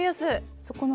そこのね